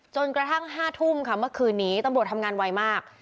กระทั่ง๕ทุ่มค่ะเมื่อคืนนี้ตำรวจทำงานไวมาก